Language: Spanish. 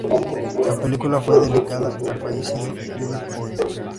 La película fue dedicada al fallecido River Phoenix.